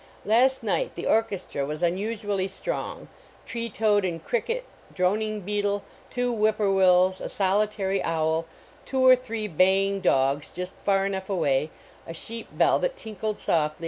La>t night the orchestra was unusually strong; tree toad and cricket, droning beetle, two whip po wills, a solitary owl; two or three baying dog just far enough away, a sheep bell that tinkled softly